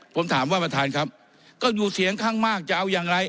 ผมถามว่าประธานครับก็อยู่เสียงข้างมากจะเอาอย่างไร